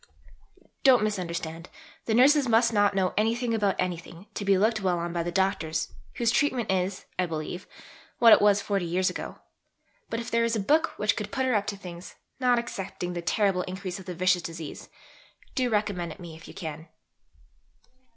Don't misunderstand: the Nurses must not know anything about anything, to be looked well on by the Doctors, whose treatment is, I believe, what it was 40 years ago. But if there is a book which could put her up to things, not excepting the terrible increase of the vicious disease, do recommend it me if you can.